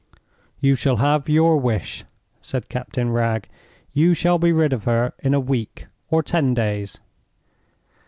"You shall have your wish," said Captain Wragge. "You shall be rid of her in a week or ten days."